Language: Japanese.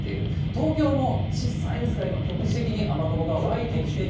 東京も小さいですが、局地的に雨雲が湧いてきて。